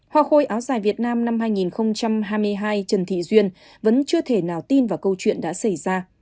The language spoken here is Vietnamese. hoa khôi áo dài việt nam năm hai nghìn hai mươi hai trần thị duyên vẫn chưa thể nào tin vào câu chuyện đã xảy ra